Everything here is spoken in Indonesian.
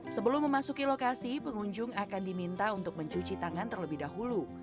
sebelum memasuki lokasi pengunjung akan diminta untuk mencuci tangan terlebih dahulu